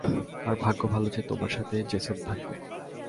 আর ভাগ্য ভালো যে, তোমার সাথে জেসন থাকবে।